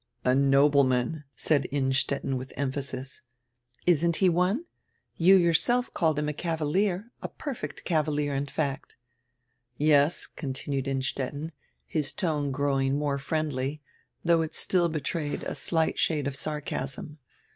"A nobleman," said Innstetten widi emphasis. "Isn't he one? You yourself called him a cavalier, a perfect cavalier, in fact." "Yes," continued Innstetten, his tone growing more friendly, diough it still hetrayed a slight shade of sarcasm.